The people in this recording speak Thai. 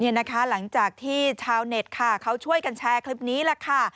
นี่นะคะหลังจากที่ชาวเน็ตเขาช่วยกันแชร์คลิปนี้ค่ะ